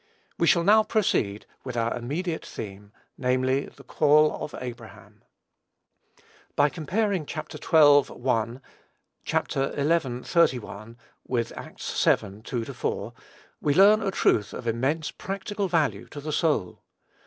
We shall now proceed with our immediate theme, namely, the call of Abraham. By comparing Chapter xii. 1, Chapter xi. 31, with Acts vii. 2 4, we learn a truth of immense practical value to the soul.